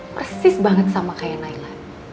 persis banget sama kayak naila